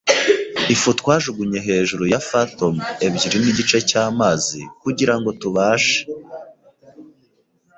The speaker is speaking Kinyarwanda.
ifu twajugunye hejuru ya fathom ebyiri nigice cyamazi, kugirango tubashe